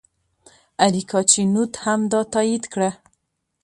اریکا چینوت هم دا تایید کړه.